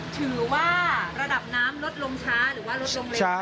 ถือว่าระดับน้ำลดลงช้าหรือว่าลดลงเร็ว